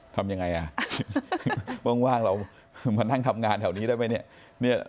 ทำยังไงอ่ะว่างเรามานั่งทำงานแถวนี้ได้ไหมเนี่ย